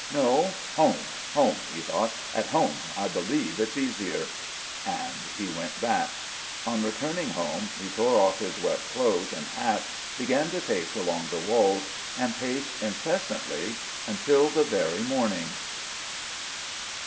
"No! Home, home," he thought. "At home I believe it's easier." And he went back. On returning home he tore off his wet clothes and hat, began to pace along the walls, and paced incessantly until the very morning.